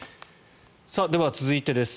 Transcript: では、続いてです。